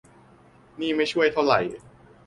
นี่ไม่ช่วยเท่าไหร่